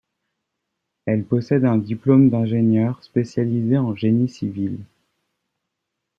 Elle possède un diplôme d'ingénieur spécialisée en génie civil.